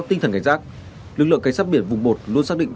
tinh thần cảnh giác lực lượng cảnh sát biển vùng một luôn xác định